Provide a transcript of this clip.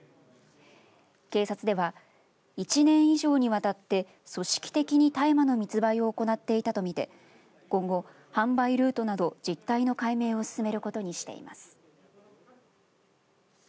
警察では１年以上にわたって組織的に大麻の密売を行っていたとみて今後、販売ルートなど実態の解明を進めることにしています。